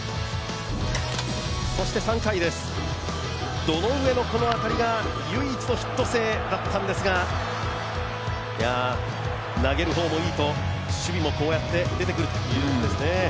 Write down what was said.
そして３回、堂上のこの当たりが唯一のヒット性だったんですが投げる方もいいと守備もこうやって出てくるっていうことですね。